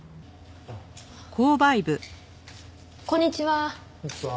こんにちは。